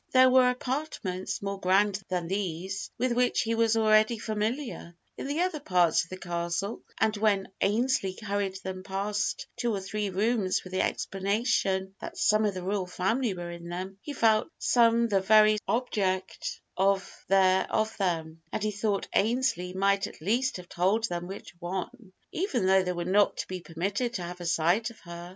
There were apartments more grand than these, with which he was already familiar, in the other part of the Castle; and when Ainslee hurried them past two or three rooms with the explanation that some of the royal family were in them, he felt some the very object of their of them, and he thought Ainslee might at least have told them which one, even though they were not to be permitted to have a sight of her.